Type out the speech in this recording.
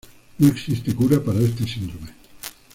No existe cura para este síndrome.